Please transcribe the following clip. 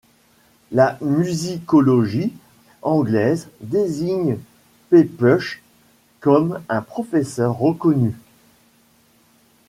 La musicologie anglaise désigne Pepusch comme un professeur reconnu.